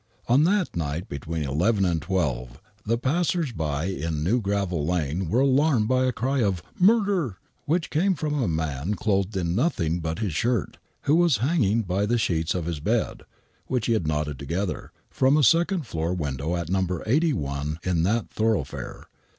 On that night, between eleven and twelve, the passers by in New Gravel Lane were alarmed by a cry of " Murder !" whidi came from a man, clothed in nothing but his shirt, who was hang ing by the sheets of his bed — ^which he had knotted together — from a second floor window at No. 81 in that thoroughfare.